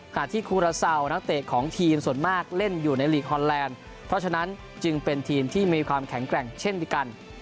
ที่คูราเซานักเตะของทีมส่วนมากเล่นอยู่ในลีกฮอนแลนด์เพราะฉะนั้นจึงเป็นทีมที่มีความแข็งแกร่งเช่นเดียวกัน